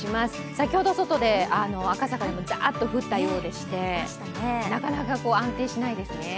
先ほど外で赤坂にもざーっと降ったようでしてなかなか安定しないですね。